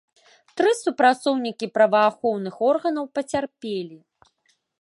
Тры супрацоўнікі праваахоўных органаў пацярпелі.